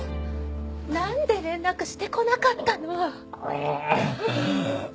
なんで連絡してこなかったの？